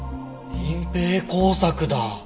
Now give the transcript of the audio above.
隠蔽工作だ。